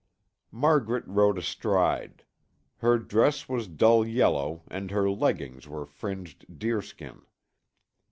Margaret rode astride. Her dress was dull yellow and her leggings were fringed deerskin.